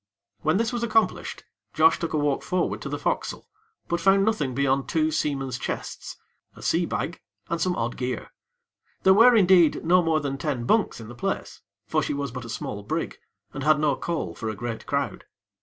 When this was accomplished, Josh took a walk forward to the fo'cas'le; but found nothing beyond two seamen's chests; a sea bag, and some odd gear. There were, indeed, no more than ten bunks in the place; for she was but a small brig, and had no call for a great crowd.